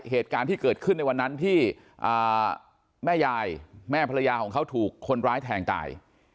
เหตุการณ์ที่เกิดขึ้นในวันนั้นที่แม่ยายแม่ภรรยาของเขาถูกคนร้ายแทงตาย